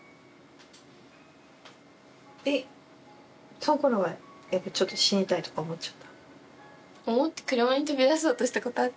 そのころはちょっと死にたいとか思っちゃった？